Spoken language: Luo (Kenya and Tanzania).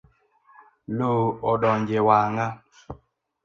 Loo odonje wanga.